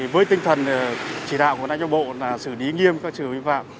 với tinh thần chỉ đạo của ngoại trưởng bộ là xử lý nghiêm các trường hợp vi phạm